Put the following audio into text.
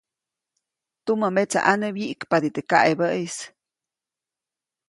Tumämetsaʼane wyiʼkpadi teʼ kaʼebäʼis.